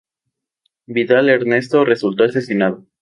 Vidal Ernesto, resultó asesinado.